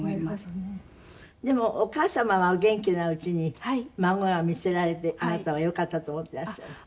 でもお母様はお元気なうちに孫が見せられてあなたはよかったと思っていらっしゃる。